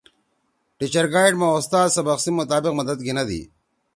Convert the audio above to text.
ٹیچر گائیڈ ما اُستاد سبق سی مطابق مدد گھیِنَدی۔